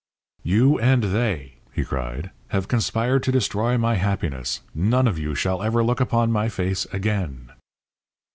"You and they," he cried, "have conspired to destroy my happiness. None of you shall ever look upon my face again."